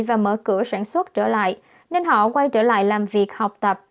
và mở cửa sản xuất trở lại nên họ quay trở lại làm việc học tập